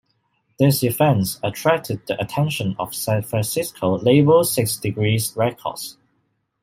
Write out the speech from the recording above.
These events attracted the attention of San Francisco label Six Degrees Records.